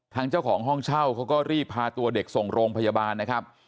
ทางเจ้าของห้องเช่าเขาก็รีบพาตัวเด็กส่งโรงพยาบาลนะครับ